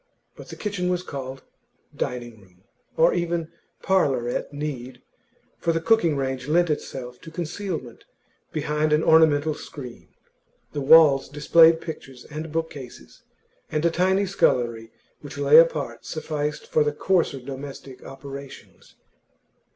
But the kitchen was called dining room, or even parlour at need; for the cooking range lent itself to concealment behind an ornamental screen, the walls displayed pictures and bookcases, and a tiny scullery which lay apart sufficed for the coarser domestic operations.